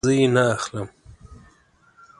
زه یی نه اخلم